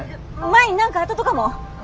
舞に何かあったとかも！